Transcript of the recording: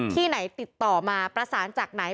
ที่ไหนติดต่อมาประสานจากไหน